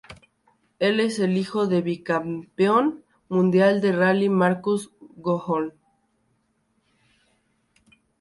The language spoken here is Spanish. Él es el hijo del bicampeón mundial de rally Marcus Grönholm.